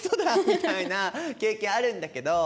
みたいな経験あるんだけど